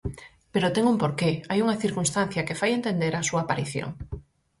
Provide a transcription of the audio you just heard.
Pero ten un porqué, hai unha circunstancia que fai entender a súa aparición.